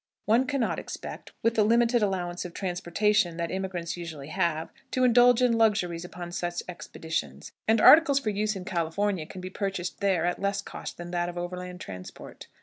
One can not expect, with the limited allowance of transportation that emigrants usually have, to indulge in luxuries upon such expeditions, and articles for use in California can be purchased there at less cost than that of overland transport.